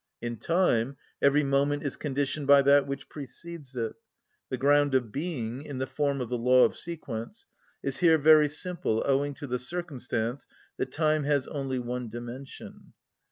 In time every moment is conditioned by that which precedes it. The ground of being, in the form of the law of sequence, is here very simple owing to the circumstance that time has only one dimension.